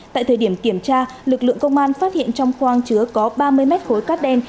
tại thời điểm kiểm tra lực lượng công an phát hiện trong khoang chứa có ba mươi mét khối cát đen